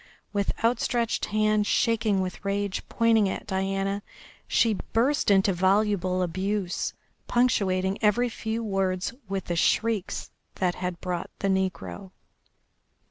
With outstretched hand shaking with rage, pointing at Diana, she burst into voluble abuse, punctuating every few words with the shrieks that had brought the negro.